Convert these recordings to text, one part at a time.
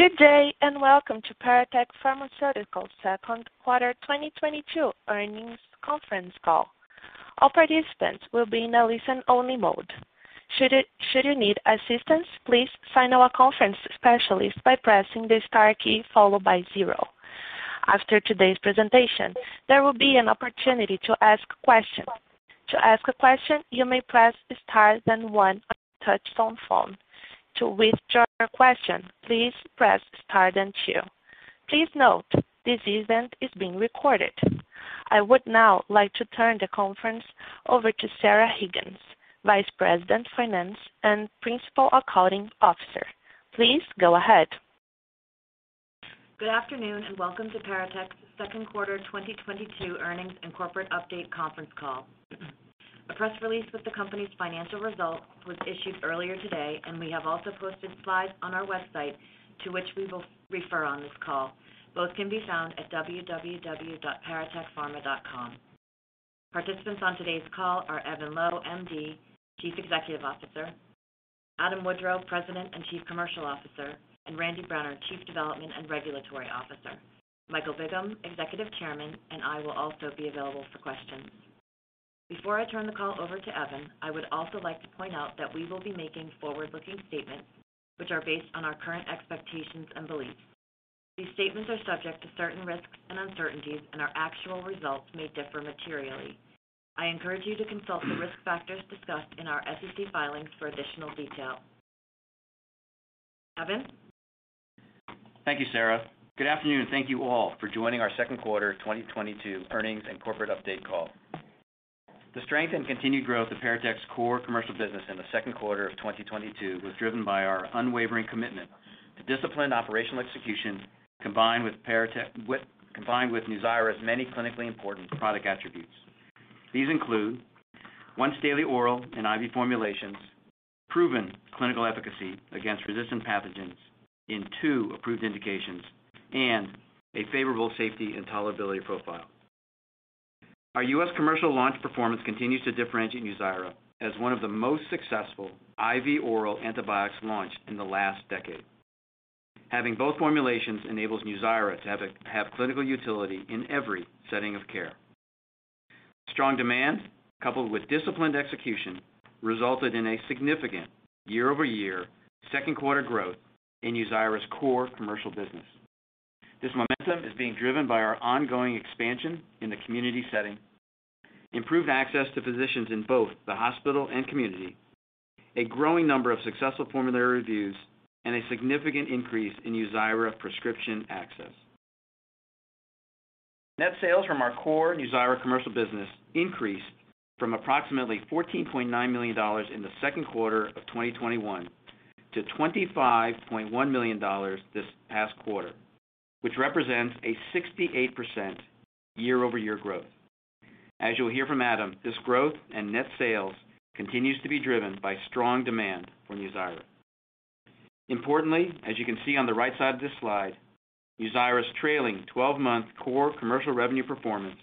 Good day, and welcome to Paratek Pharmaceuticals' second quarter 2022 earnings conference call. All participants will be in a listen-only mode. Should you need assistance, please find our conference specialist by pressing the star key followed by zero. After today's presentation, there will be an opportunity to ask questions. To ask a question, you may press star then one on your touch-tone phone. To withdraw your question, please press star then two. Please note, this event is being recorded. I would now like to turn the conference over to Sarah Higgins, Vice President, Finance, and Principal Accounting Officer. Please go ahead. Good afternoon, and welcome to Paratek's second quarter 2022 earnings and corporate update conference call. A press release with the company's financial results was issued earlier today, and we have also posted slides on our website to which we will refer on this call. Both can be found at www.paratekpharma.com. Participants on today's call are Evan Loh, MD, Chief Executive Officer, Adam Woodrow, President and Chief Commercial Officer, and Randy Brenner, our Chief Development and Regulatory Officer. Michael Bigham, Executive Chairman, and I will also be available for questions. Before I turn the call over to Evan, I would also like to point out that we will be making forward-looking statements which are based on our current expectations and beliefs. These statements are subject to certain risks and uncertainties, and our actual results may differ materially. I encourage you to consult the risk factors discussed in our SEC filings for additional detail. Evan? Thank you, Sarah. Good afternoon, and thank you all for joining our second quarter 2022 earnings and corporate update call. The strength and continued growth of Paratek's core commercial business in the second quarter of 2022 was driven by our unwavering commitment to disciplined operational execution, combined with NUZYRA's many clinically important product attributes. These include once daily oral and IV formulations, proven clinical efficacy against resistant pathogens in two approved indications, and a favorable safety and tolerability profile. Our U.S. commercial launch performance continues to differentiate NUZYRA as one of the most successful IV oral antibiotics launched in the last decade. Having both formulations enables NUZYRA to have clinical utility in every setting of care. Strong demand coupled with disciplined execution resulted in a significant year-over-year second quarter growth in NUZYRA's core commercial business. This momentum is being driven by our ongoing expansion in the community setting, improved access to physicians in both the hospital and community, a growing number of successful formulary reviews, and a significant increase in NUZYRA prescription access. Net sales from our core NUZYRA commercial business increased from approximately $14.9 million in the second quarter of 2021 to $25.1 million this past quarter, which represents a 68% year-over-year growth. As you'll hear from Adam, this growth and net sales continues to be driven by strong demand for NUZYRA. Importantly, as you can see on the right side of this slide, NUZYRA's trailing 12-month core commercial revenue performance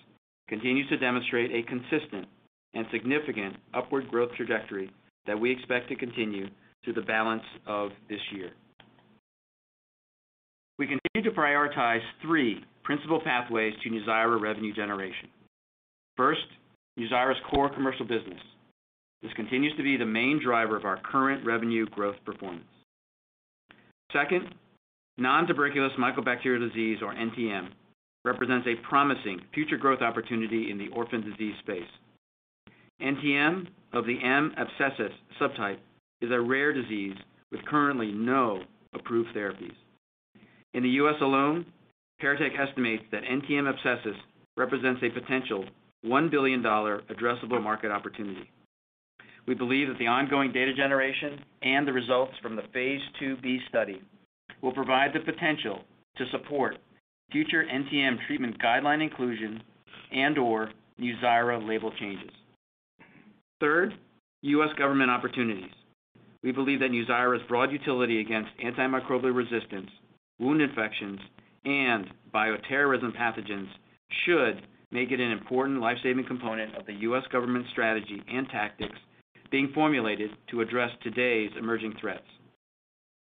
continues to demonstrate a consistent and significant upward growth trajectory that we expect to continue through the balance of this year. We continue to prioritize three principal pathways to NUZYRA revenue generation. First, NUZYRA's core commercial business. This continues to be the main driver of our current revenue growth performance. Second, nontuberculous mycobacterial disease, or NTM, represents a promising future growth opportunity in the orphan disease space. NTM of the M. abscessus subtype is a rare disease with currently no approved therapies. In the U.S. alone, Paratek estimates that NTM abscessus represents a potential $1 billion addressable market opportunity. We believe that the ongoing data generation and the results from the phase IIb study will provide the potential to support future NTM treatment guideline inclusion and/or NUZYRA label changes. Third, U.S. government opportunities. We believe that NUZYRA's broad utility against antimicrobial resistance, wound infections, and bioterrorism pathogens should make it an important life-saving component of the U.S. government strategy and tactics being formulated to address today's emerging threats.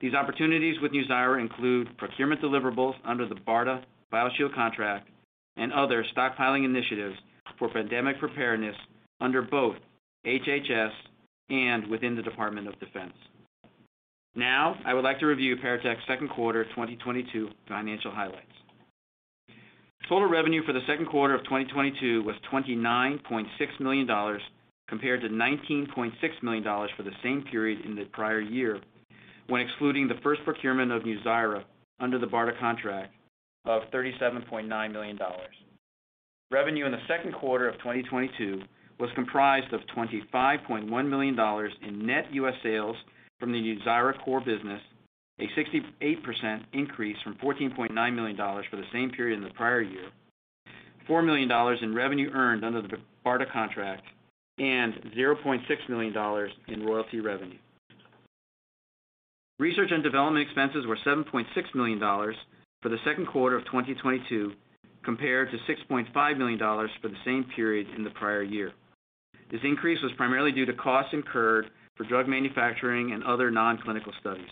These opportunities with NUZYRA include procurement deliverables under the BARDA BioShield contract and other stockpiling initiatives for pandemic preparedness under both HHS and within the Department of Defense. Now, I would like to review Paratek's second quarter 2022 financial highlights. Total revenue for the second quarter of 2022 was $29.6 million compared to $19.6 million for the same period in the prior year when excluding the first procurement of NUZYRA under the BARDA contract of $37.9 million. Revenue in the second quarter of 2022 was comprised of $25.1 million in net U.S. sales from the NUZYRA core business, a 68% increase from $14.9 million for the same period in the prior year, $4 million in revenue earned under the BARDA contract, and $0.6 million in royalty revenue. Research and development expenses were $7.6 million for the second quarter of 2022 compared to $6.5 million for the same period in the prior year. This increase was primarily due to costs incurred for drug manufacturing and other non-clinical studies.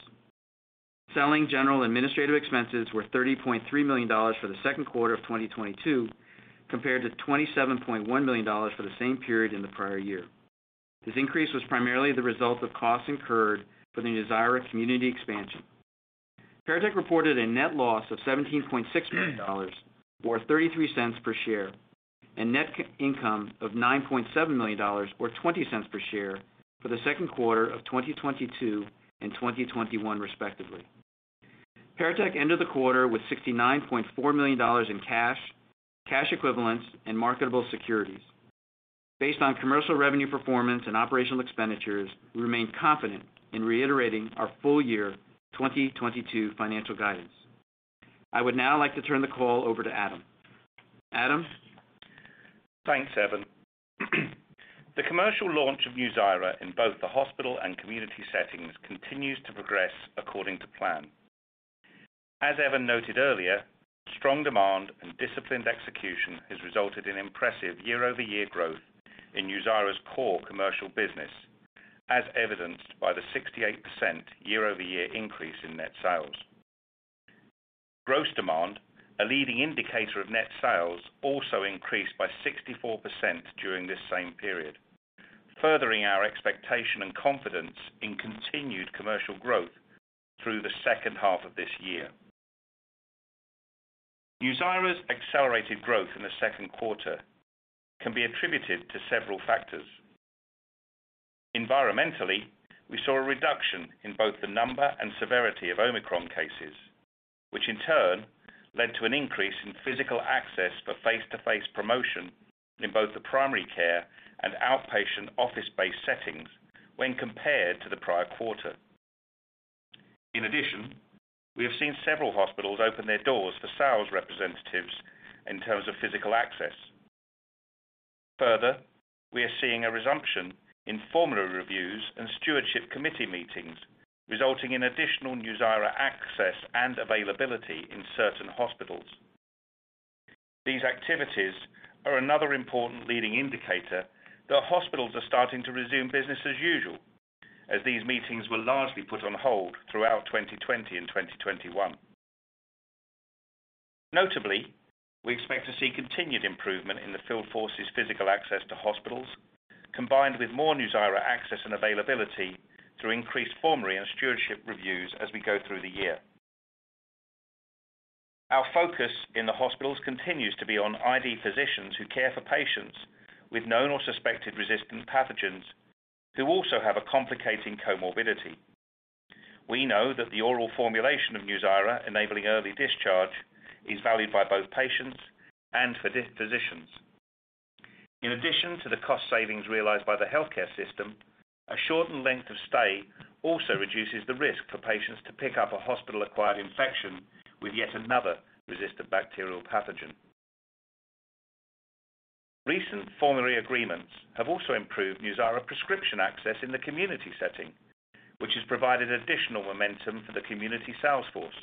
Selling general administrative expenses were $30.3 million for the second quarter of 2022 compared to $27.1 million for the same period in the prior year. This increase was primarily the result of costs incurred for the NUZYRA community expansion. Paratek reported a net loss of $17.6 million or $0.33 per share, and net income of $9.7 million or $0.20 per share for the second quarter of 2022 and 2021 respectively. Paratek ended the quarter with $69.4 million in cash equivalents, and marketable securities. Based on commercial revenue performance and operational expenditures, we remain confident in reiterating our full year 2022 financial guidance. I would now like to turn the call over to Adam. Adam? Thanks, Evan. The commercial launch of NUZYRA in both the hospital and community settings continues to progress according to plan. As Evan noted earlier, strong demand and disciplined execution has resulted in impressive year-over-year growth in NUZYRA's core commercial business, as evidenced by the 68% year-over-year increase in net sales. Gross demand, a leading indicator of net sales, also increased by 64% during this same period, furthering our expectation and confidence in continued commercial growth through the second half of this year. NUZYRA's accelerated growth in the second quarter can be attributed to several factors. Environmentally, we saw a reduction in both the number and severity of Omicron cases, which in turn led to an increase in physical access for face-to-face promotion in both the primary care and outpatient office-based settings when compared to the prior quarter. In addition, we have seen several hospitals open their doors for sales representatives in terms of physical access. Further, we are seeing a resumption in formulary reviews and stewardship committee meetings, resulting in additional NUZYRA access and availability in certain hospitals. These activities are another important leading indicator that hospitals are starting to resume business as usual, as these meetings were largely put on hold throughout 2020 and 2021. Notably, we expect to see continued improvement in the field force's physical access to hospitals, combined with more NUZYRA access and availability through increased formulary and stewardship reviews as we go through the year. Our focus in the hospitals continues to be on ID physicians who care for patients with known or suspected resistant pathogens who also have a complicating comorbidity. We know that the oral formulation of NUZYRA enabling early discharge is valued by both patients and physicians. In addition to the cost savings realized by the healthcare system, a shortened length of stay also reduces the risk for patients to pick up a hospital-acquired infection with yet another resistant bacterial pathogen. Recent formulary agreements have also improved NUZYRA prescription access in the community setting, which has provided additional momentum for the community sales force.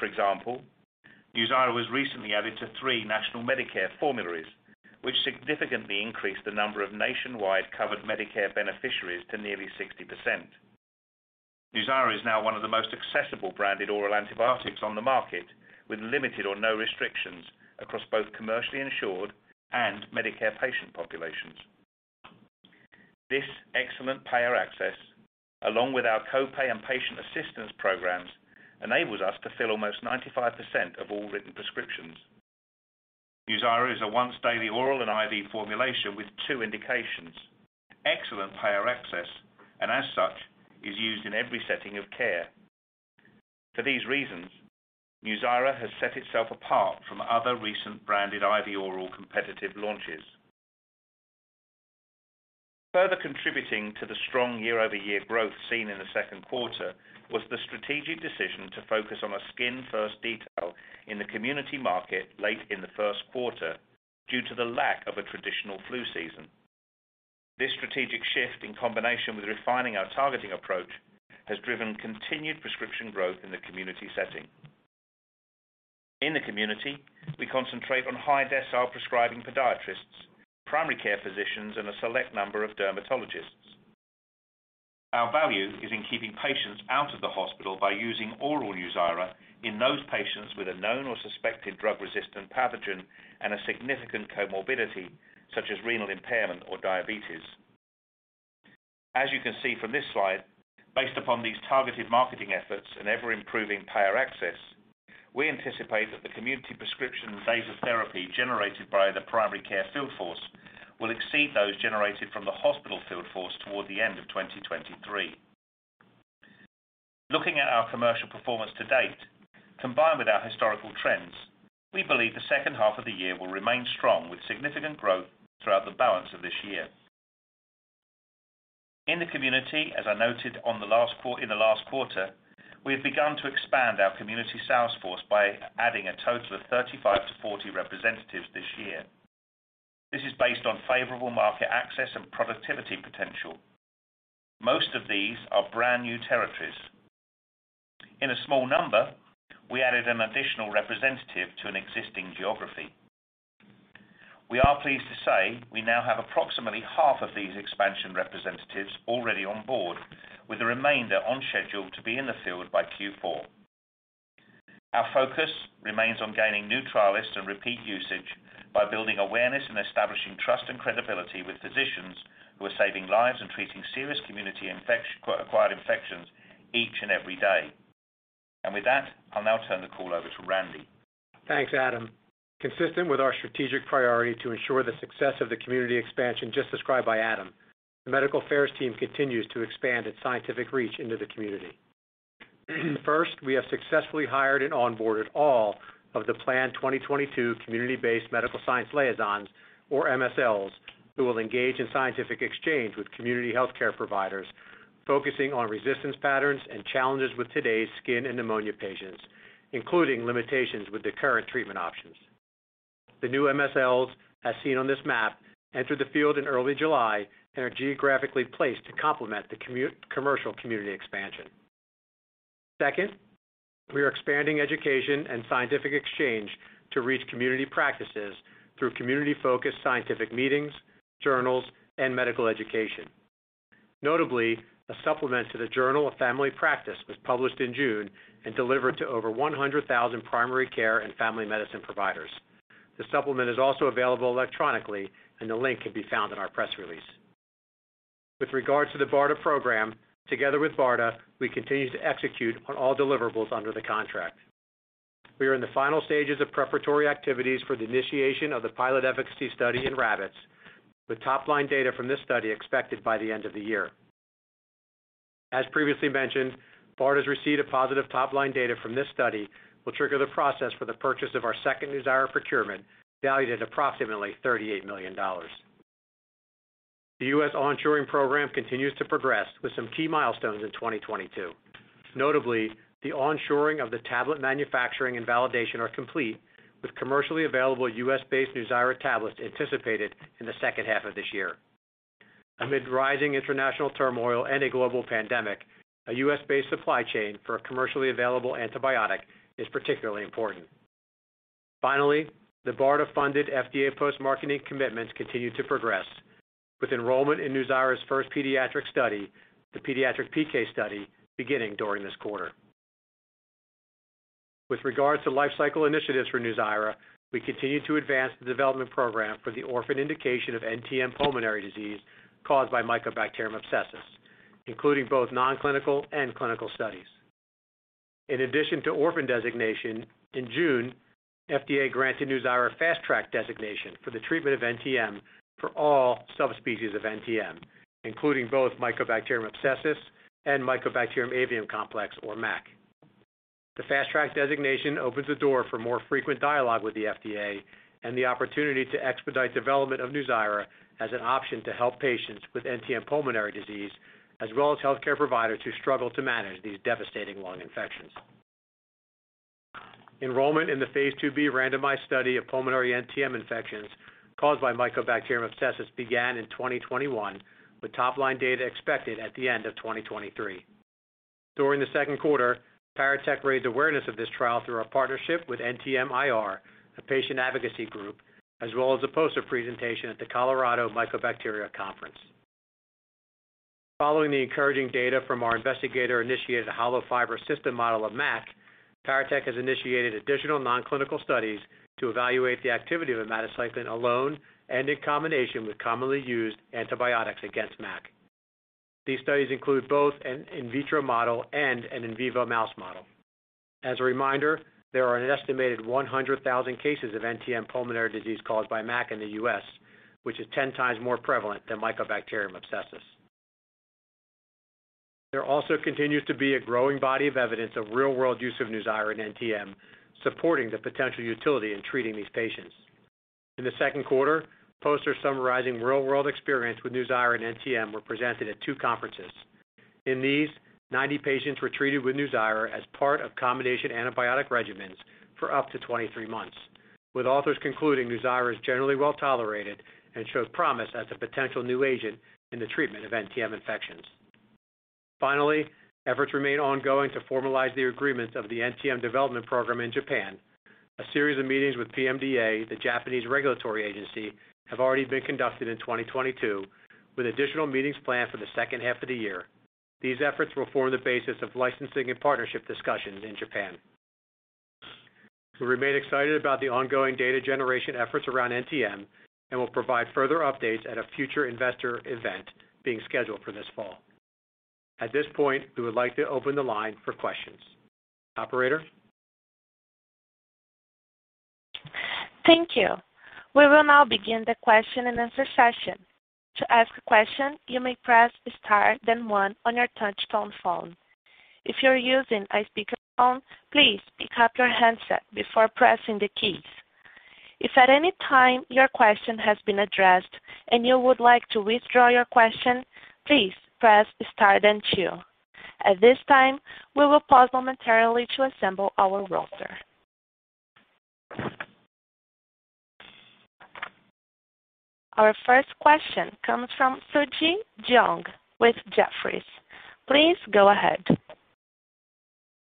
For example, NUZYRA was recently added to three national Medicare formularies, which significantly increased the number of nationwide covered Medicare beneficiaries to nearly 60%. NUZYRA is now one of the most accessible branded oral antibiotics on the market, with limited or no restrictions across both commercially insured and Medicare patient populations. This excellent payer access, along with our copay and patient assistance programs, enables us to fill almost 95% of all written prescriptions. NUZYRA is a once-daily oral and IV formulation with two indications, excellent payer access, and as such, is used in every setting of care. For these reasons, NUZYRA has set itself apart from other recent branded IV oral competitive launches. Further contributing to the strong year-over-year growth seen in the second quarter was the strategic decision to focus on a skin-first detailing in the community market late in the first quarter due to the lack of a traditional flu season. This strategic shift, in combination with refining our targeting approach, has driven continued prescription growth in the community setting. In the community, we concentrate on high-decile prescribing podiatrists, primary care physicians, and a select number of dermatologists. Our value is in keeping patients out of the hospital by using oral NUZYRA in those patients with a known or suspected drug-resistant pathogen and a significant comorbidity, such as renal impairment or diabetes. As you can see from this slide, based upon these targeted marketing efforts and ever-improving payer access, we anticipate that the community prescription days of therapy generated by the primary care field force will exceed those generated from the hospital field force toward the end of 2023. Looking at our commercial performance to date, combined with our historical trends, we believe the second half of the year will remain strong with significant growth throughout the balance of this year. In the community, as I noted in the last quarter, we have begun to expand our community sales force by adding a total of 35-40 representatives this year. This is based on favorable market access and productivity and potential. Most of these are brand-new territories. In a small number, we added an additional representative to an existing geography. We are pleased to say we now have approximately half of these expansion representatives already on board, with the remainder on schedule to be in the field by Q4. Our focus remains on gaining new trialists and repeat usage by building awareness and establishing trust and credibility with physicians who are saving lives and treating serious community-acquired infections each and every day. With that, I'll now turn the call over to Randy. Thanks, Adam. Consistent with our strategic priority to ensure the success of the community expansion just described by Adam, the medical affairs team continues to expand its scientific reach into the community. First, we have successfully hired and onboarded all of the planned 2022 community-based medical science liaisons, or MSLs, who will engage in scientific exchange with community healthcare providers, focusing on resistance patterns and challenges with today's skin and pneumonia patients, including limitations with the current treatment options. The new MSLs, as seen on this map, entered the field in early July and are geographically placed to complement the commercial community expansion. Second, we are expanding education and scientific exchange to reach community practices through community-focused scientific meetings, journals, and medical education. Notably, a supplement to The Journal of Family Practice was published in June and delivered to over 100,000 primary care and family medicine providers. The supplement is also available electronically, and the link can be found in our press release. With regards to the BARDA program, together with BARDA, we continue to execute on all deliverables under the contract. We are in the final stages of preparatory activities for the initiation of the pilot efficacy study in rabbits, with top-line data from this study expected by the end of the year. As previously mentioned, BARDA's receipt of positive top-line data from this study will trigger the process for the purchase of our second NUZYRA procurement, valued at approximately $38 million. The U.S. onshoring program continues to progress with some key milestones in 2022. Notably, the onshoring of the tablet manufacturing and validation are complete, with commercially available U.S.-based NUZYRA tablets anticipated in the second half of this year. Amid rising international turmoil and a global pandemic, a U.S.-based supply chain for a commercially available antibiotic is particularly important. Finally, the BARDA-funded FDA post-marketing commitments continue to progress, with enrollment in NUZYRA's first pediatric study, the pediatric PK study, beginning during this quarter. With regards to lifecycle initiatives for NUZYRA, we continue to advance the development program for the orphan indication of NTM pulmonary disease caused by Mycobacterium abscessus, including both non-clinical and clinical studies. In addition to orphan designation, in June, FDA granted NUZYRA Fast Track designation for the treatment of NTM for all subspecies of NTM, including both Mycobacterium abscessus and Mycobacterium avium complex or MAC. The Fast Track designation opens the door for more frequent dialogue with the FDA and the opportunity to expedite development of NUZYRA as an option to help patients with NTM pulmonary disease, as well as healthcare providers who struggle to manage these devastating lung infections. Enrollment in the phase IIb randomized study of pulmonary NTM infections caused by Mycobacterium abscessus began in 2021, with top-line data expected at the end of 2023. During the second quarter, Paratek raised awareness of this trial through our partnership with NTM Info & Research, a patient advocacy group, as well as a poster presentation at the Colorado Mycobacteria Conference. Following the encouraging data from our investigator-initiated hollow fiber system model of MAC, Paratek has initiated additional non-clinical studies to evaluate the activity of omadacycline alone and in combination with commonly used antibiotics against MAC. These studies include both an in vitro model and an in vivo mouse model. As a reminder, there are an estimated 100,000 cases of NTM pulmonary disease caused by MAC in the U.S., which is 10 times more prevalent than Mycobacterium abscessus. There also continues to be a growing body of evidence of real-world use of NUZYRA in NTM, supporting the potential utility in treating these patients. In the second quarter, posters summarizing real-world experience with NUZYRA and NTM were presented at two conferences. In these, 90 patients were treated with NUZYRA as part of combination antibiotic regimens for up to 23 months, with authors concluding NUZYRA is generally well-tolerated and shows promise as a potential new agent in the treatment of NTM infections. Finally, efforts remain ongoing to formalize the agreements of the NTM development program in Japan. A series of meetings with PMDA, the Japanese regulatory agency, have already been conducted in 2022, with additional meetings planned for the second half of the year. These efforts will form the basis of licensing and partnership discussions in Japan. We remain excited about the ongoing data generation efforts around NTM and will provide further updates at a future investor event being scheduled for this fall. At this point, we would like to open the line for questions. Operator? Thank you. We will now begin the question-and-answer session. To ask a question, you may press star then one on your touchtone phone. If you're using a speakerphone, please pick up your handset before pressing the keys. If at any time your question has been addressed and you would like to withdraw your question, please press star then two. At this time, we will pause momentarily to assemble our roster. Our first question comes from Suji Jeong with Jefferies. Please go ahead.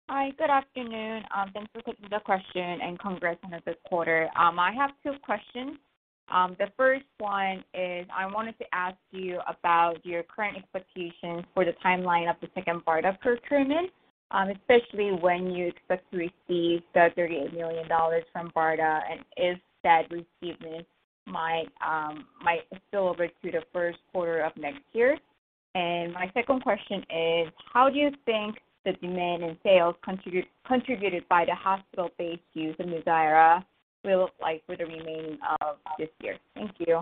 Hi, good afternoon. Thanks for taking the question and congrats on a good quarter. I have two questions. The first one is, I wanted to ask you about your current expectations for the timeline of the second BARDA procurement, especially when you expect to receive the $38 million from BARDA, and is that receiving might spill over to the first quarter of next year. My second question is, how do you think the demand in sales contributed by the hospital-based use of NUZYRA will look like for the remaining of this year? Thank you.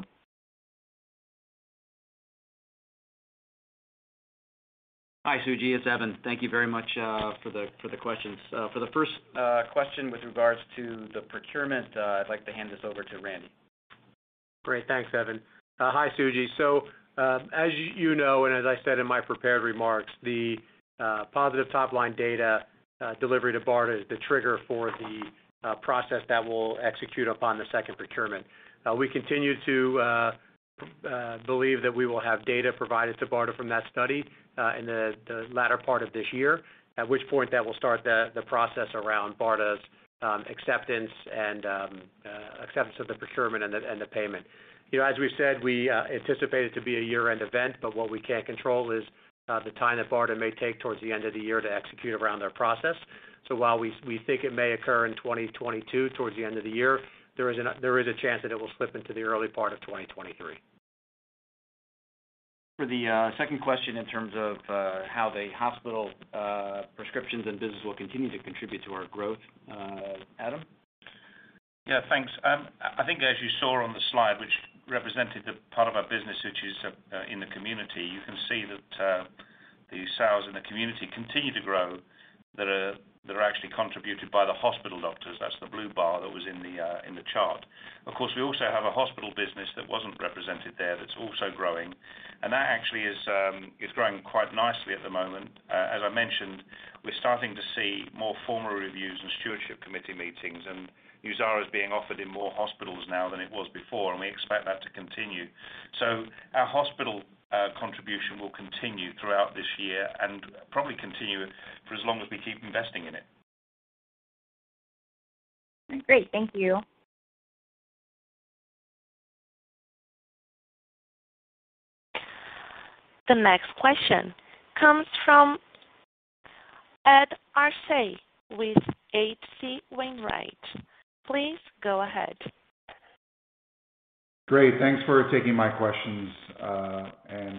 Hi, Suji, it's Evan. Thank you very much for the questions. For the first question with regards to the procurement, I'd like to hand this over to Randy. Great. Thanks, Evan. Hi, Suji. As you know, and as I said in my prepared remarks, the positive top-line data delivery to BARDA is the trigger for the process that will execute upon the second procurement. We continue to believe that we will have data provided to BARDA from that study in the latter part of this year. At which point that will start the process around BARDA's acceptance of the procurement and the payment. You know, as we said, we anticipate it to be a year-end event, but what we can't control is the time that BARDA may take towards the end of the year to execute around their process. While we think it may occur in 2022 towards the end of the year, there is a chance that it will slip into the early part of 2023. For the second question, in terms of how the hospital prescriptions and business will continue to contribute to our growth, Adam? Yeah, thanks. I think as you saw on the slide, which represented the part of our business which is in the community, you can see that the sales in the community continue to grow that are actually contributed by the hospital doctors. That's the blue bar that was in the chart. Of course, we also have a hospital business that wasn't represented there that's also growing, and that actually is growing quite nicely at the moment. As I mentioned, we're starting to see more formal reviews and stewardship committee meetings, and NUZYRA is being offered in more hospitals now than it was before, and we expect that to continue. Our hospital contribution will continue throughout this year and probably continue for as long as we keep investing in it. Great. Thank you. The next question comes from Ed Arce with H.C. Wainwright. Please go ahead. Great. Thanks for taking my questions.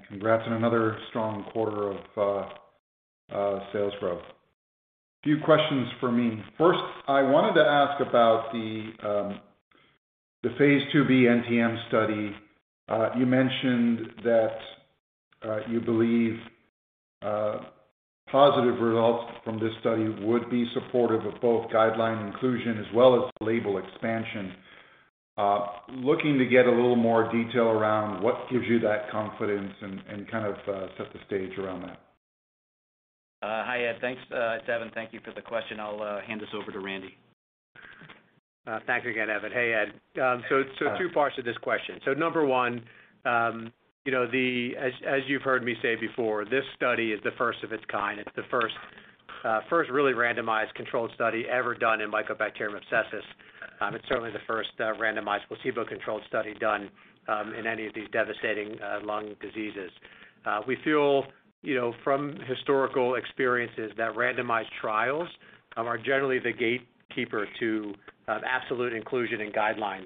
Congrats on another strong quarter of sales growth. Few questions for me. First, I wanted to ask about the phase IIb NTM study. You mentioned that you believe positive results from this study would be supportive of both guideline inclusion as well as label expansion. Looking to get a little more detail around what gives you that confidence and kind of set the stage around that. Hi, Ed. Thanks, it's Evan. Thank you for the question. I'll hand this over to Randy. Thanks again, Evan. Hey, Ed. Two parts to this question. Number one, you know, as you've heard me say before, this study is the first of its kind. It's the first really randomized controlled study ever done in Mycobacterium abscessus. It's certainly the first randomized placebo-controlled study done in any of these devastating lung diseases. We feel, you know, from historical experiences that randomized trials are generally the gatekeeper to absolute inclusion in guidelines.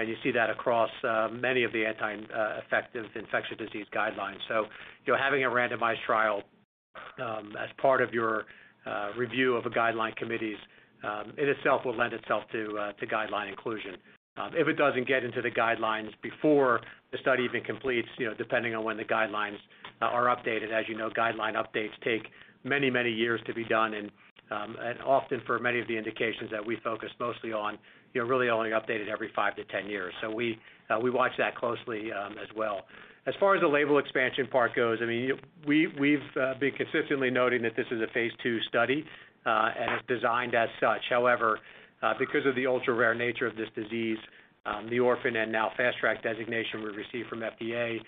You see that across many of the anti-infective infectious disease guidelines. You know, having a randomized trial as part of your review of a guideline committee's in itself will lend itself to guideline inclusion. If it doesn't get into the guidelines before the study even completes, you know, depending on when the guidelines are updated. As you know, guideline updates take many, many years to be done and often for many of the indications that we focus mostly on, you know, really only updated every five-10 years. We watch that closely, as well. As far as the label expansion part goes, I mean, we've been consistently noting that this is a phase II study and is designed as such. However, because of the ultra-rare nature of this disease, the orphan and now Fast Track designation we've received from FDA,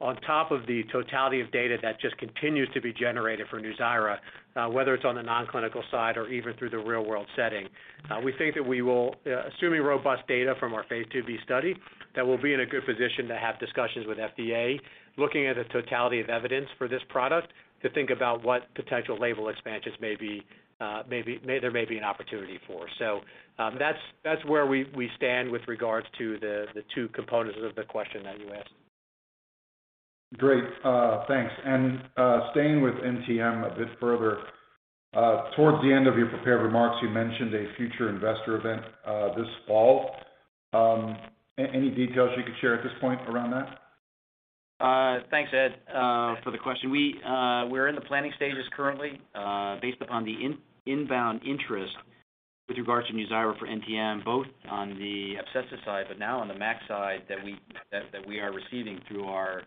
on top of the totality of data that just continues to be generated for NUZYRA, whether it's on the non-clinical side or even through the real-world setting. We think that we will, assuming robust data from our phase IIb study, that we'll be in a good position to have discussions with FDA, looking at the totality of evidence for this product to think about what potential label expansions may be, there may be an opportunity for. That's where we stand with regards to the two components of the question that you asked. Great. Thanks. Staying with NTM a bit further, towards the end of your prepared remarks, you mentioned a future investor event, this fall. Any details you could share at this point around that? Thanks, Ed, for the question. We're in the planning stages currently based upon the inbound interest. With regards to NUZYRA for NTM, both on the abscess side, but now on the MAC side that we are receiving through our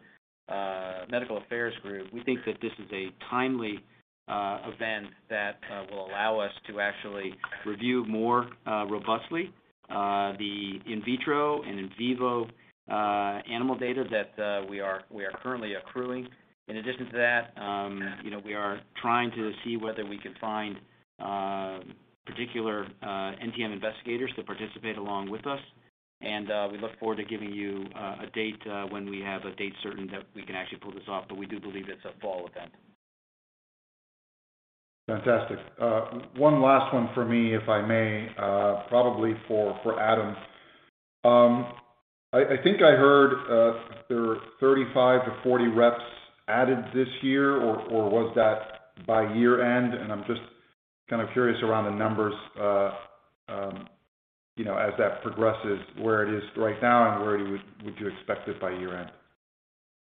medical affairs group, we think that this is a timely event that will allow us to actually review more robustly the in vitro and in vivo animal data that we are currently accruing. In addition to that, you know, we are trying to see whether we can find particular NTM investigators to participate along with us. We look forward to giving you a date when we have a date certain that we can actually pull this off, but we do believe it's a fall event. Fantastic. One last one for me, if I may, probably for Adam. I think I heard there were 35-40 reps added this year or was that by year-end? I'm just kinda curious around the numbers, you know, as that progresses, where it is right now and where you would expect it by year-end?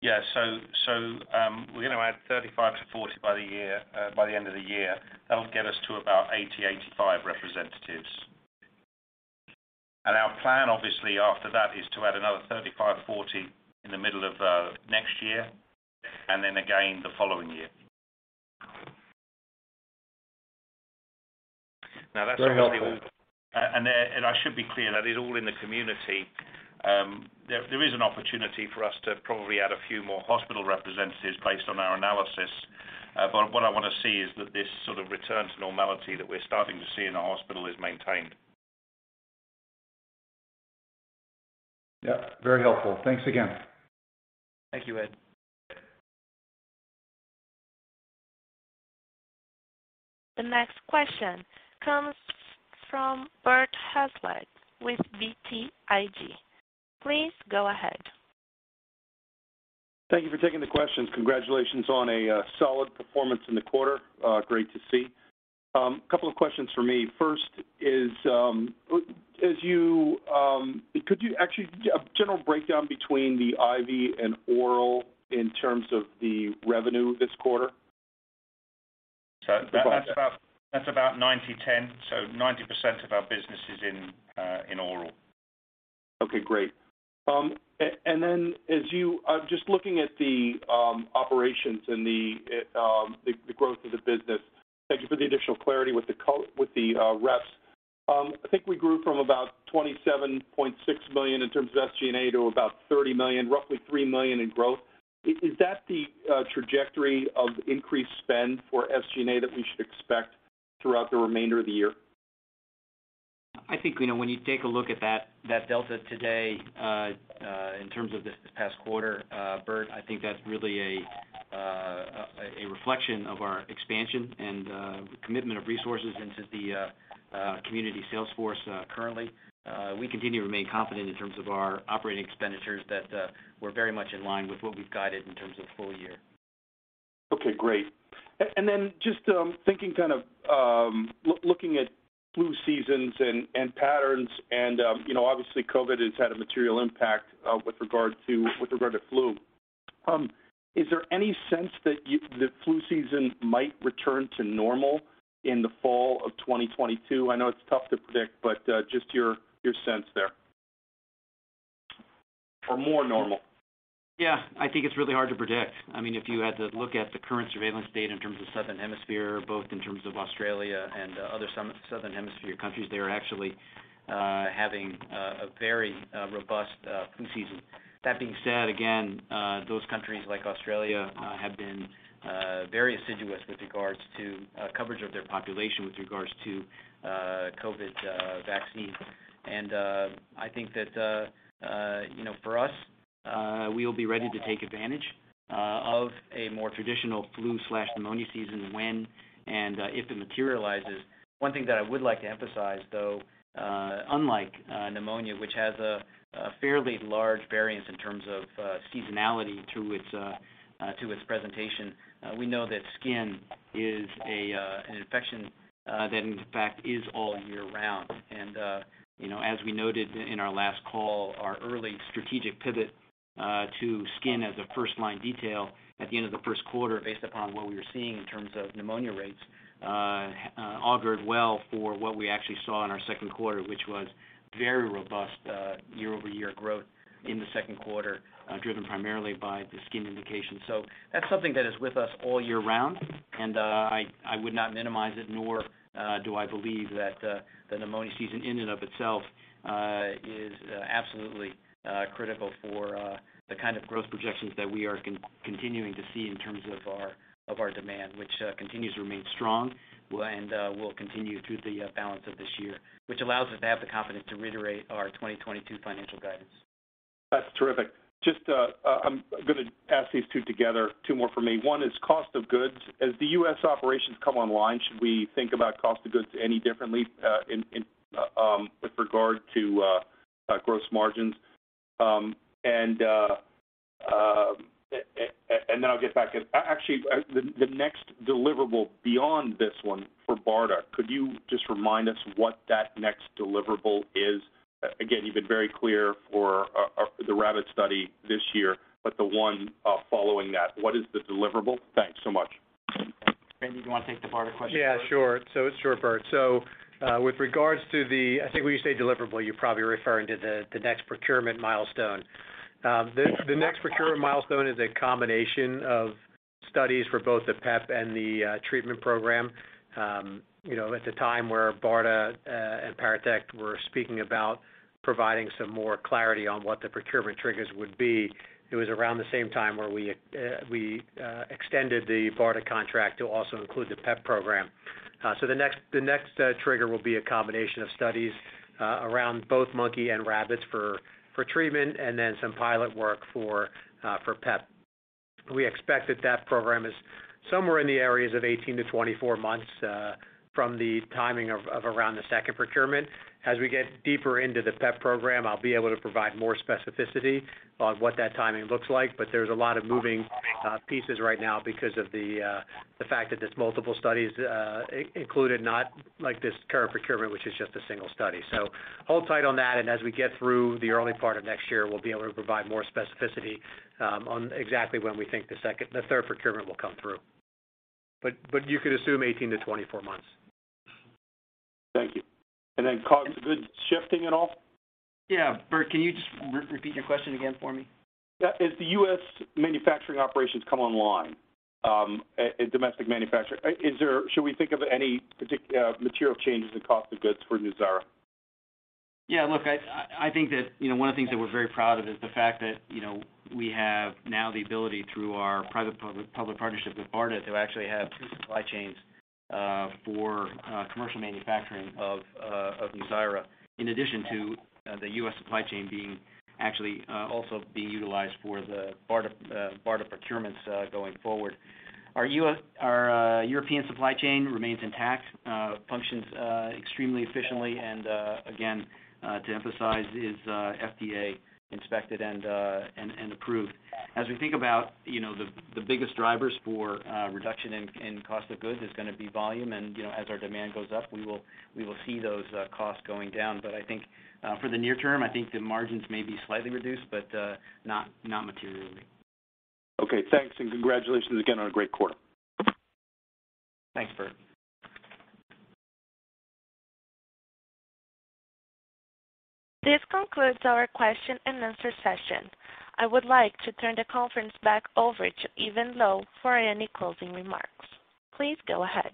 We're gonna add 35-40 by the end of the year. That'll get us to about 80-85 representatives. Our plan, obviously, after that is to add another 35-40 in the middle of next year, and then again the following year. Very helpful. Now, that's obviously all, and I should be clear, that is all in the community. There is an opportunity for us to probably add a few more hospital representatives based on our analysis. What I wanna see is that this sort of return to normality that we're starting to see in the hospital is maintained. Yeah, very helpful. Thanks again. Thank you, Ed. The next question comes from Bert Hazlett with BTIG. Please go ahead. Thank you for taking the questions. Congratulations on a solid performance in the quarter. Great to see. A couple of questions for me. First is a general breakdown between the IV and oral in terms of the revenue this quarter? That's about 90/10, so 90% of our business is in oral. Okay, great. As you just looking at the operations and the growth of the business, thank you for the additional clarity with the reps. I think we grew from about $27.6 million in terms of SG&A to about $30 million, roughly $3 million in growth. Is that the trajectory of increased spend for SG&A that we should expect throughout the remainder of the year? I think, you know, when you take a look at that delta today, in terms of this past quarter, Bert, I think that's really a reflection of our expansion and commitment of resources into the community sales force, currently. We continue to remain confident in terms of our operating expenditures that we're very much in line with what we've guided in terms of full year. Okay, great. Just thinking kind of looking at flu seasons and patterns and you know, obviously COVID has had a material impact with regard to flu. Is there any sense that the flu season might return to normal in the fall of 2022? I know it's tough to predict, but just your sense there. More normal. Yeah. I think it's really hard to predict. I mean, if you had to look at the current surveillance data in terms of Southern Hemisphere, both in terms of Australia and other Southern Hemisphere countries, they are actually having a very robust flu season. That being said, again, those countries like Australia have been very assiduous with regards to coverage of their population with regards to COVID vaccines. I think that you know, for us, we will be ready to take advantage of a more traditional flu/pneumonia season when and if it materializes. One thing that I would like to emphasize, though, unlike pneumonia, which has a fairly large variance in terms of seasonality to its presentation, we know that skin is an infection that in fact is all year round. You know, as we noted in our last call, our early strategic pivot to skin as a first line detail at the end of the first quarter based upon what we were seeing in terms of pneumonia rates augured well for what we actually saw in our second quarter, which was very robust year-over-year growth in the second quarter, driven primarily by the skin indication. That's something that is with us all year round, and I would not minimize it, nor do I believe that the pneumonia season in and of itself is absolutely critical for the kind of growth projections that we are continuing to see in terms of our demand, which continues to remain strong and will continue through the balance of this year, which allows us to have the confidence to reiterate our 2022 financial guidance. That's terrific. Just, I'm gonna ask these two together. Two more from me. One is cost of goods. As the U.S. operations come online, should we think about cost of goods any differently in with regard to gross margins? I'll get back. Actually, the next deliverable beyond this one for BARDA, could you just remind us what that next deliverable is? Again, you've been very clear for the rabbit study this year, but the one following that, what is the deliverable? Thanks so much. Randy, do you want to take the BARDA question first? Yeah, sure. So sure, Bert. So, with regards to the I think when you say deliverable, you're probably referring to the next procurement milestone. The next procurement milestone is a combination of studies for both the PEP and the treatment program. You know, at the time where BARDA and Paratek were speaking about providing some more clarity on what the procurement triggers would be, it was around the same time where we extended the BARDA contract to also include the PEP program. So the next trigger will be a combination of studies around both monkey and rabbits for treatment and then some pilot work for PEP. We expect that program is somewhere in the areas of 18-24 months from the timing of around the second procurement. As we get deeper into the PEP program, I'll be able to provide more specificity on what that timing looks like, but there's a lot of moving pieces right now because of the fact that there's multiple studies included, not like this current procurement, which is just a single study. Hold tight on that, and as we get through the early part of next year, we'll be able to provide more specificity on exactly when we think the third procurement will come through. But you could assume 18-24 months. Thank you. Cost of goods shifting at all? Yeah. Bert, can you just repeat your question again for me? Yeah. As the U.S. manufacturing operations come online and domestic manufacturing, should we think of any material changes in cost of goods for NUZYRA? Yeah, look, I think that, you know, one of the things that we're very proud of is the fact that, you know, we have now the ability through our public-private partnership with BARDA to actually have two supply chains for commercial manufacturing of NUZYRA, in addition to the U.S. supply chain being actually also utilized for the BARDA procurements going forward. Our European supply chain remains intact, functions extremely efficiently, and again to emphasize is FDA inspected and approved. As we think about, you know, the biggest drivers for reduction in cost of goods is gonna be volume and, you know, as our demand goes up, we will see those costs going down. I think for the near-term, I think the margins may be slightly reduced but not materially. Okay, thanks, and congratulations again on a great quarter. Thanks, Bert. This concludes our question and answer session. I would like to turn the conference back over to Evan Loh for any closing remarks. Please go ahead.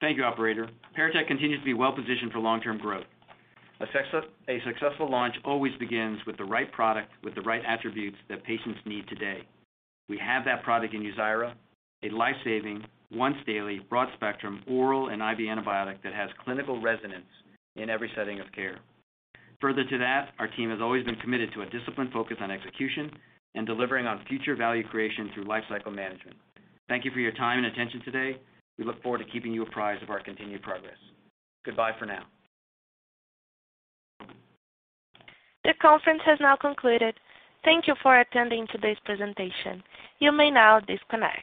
Thank you, operator. Paratek continues to be well-positioned for long-term growth. A successful launch always begins with the right product, with the right attributes that patients need today. We have that product in NUZYRA, a life-saving, once daily, broad spectrum oral and IV antibiotic that has clinical resonance in every setting of care. Further to that, our team has always been committed to a disciplined focus on execution and delivering on future value creation through lifecycle management. Thank you for your time and attention today. We look forward to keeping you apprised of our continued progress. Goodbye for now. This conference has now concluded. Thank you for attending today's presentation. You may now disconnect.